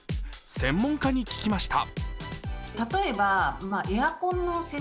専門家に聞きました。